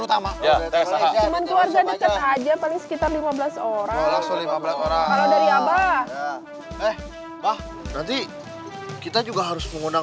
wah itu semua harus diundang